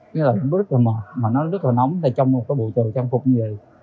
nghĩa là nó rất là mệt mà nó rất là nóng trong một cái bộ trời trang phục như vậy